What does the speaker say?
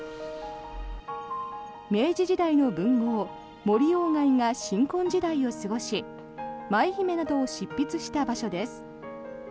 明治時代の文豪・森鴎外が新婚時代を過ごし「舞姫」などを執筆した場所です。